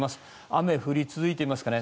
雨が降り続いていますかね。